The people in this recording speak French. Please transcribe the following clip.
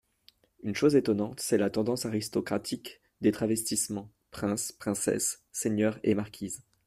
Une chose étonnante, c'est la tendance aristocratique des travestissements ; princes, princesses, seigneurs et marquises.